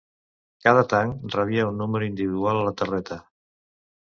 Cada tanc rebia un número individual a la torreta.